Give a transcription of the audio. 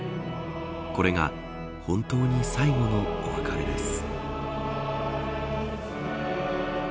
これが本当に最後のお別れです。